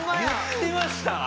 言ってました？